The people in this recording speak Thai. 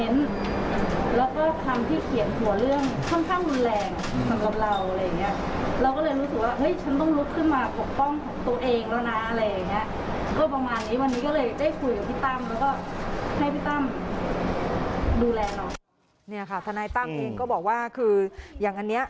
นี่ค่ะทนายตั้มเองก็บอกว่าคืออย่างอันนี้